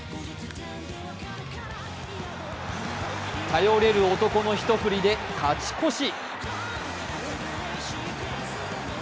頼れる男の一振りで、勝ち越し。